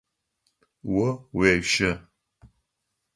О уещэ.